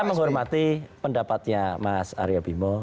saya menghormati pendapatnya mas aryo bimo